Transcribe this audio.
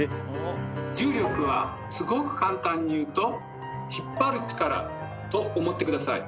重力はすごく簡単に言うと「引っ張る力」と思って下さい。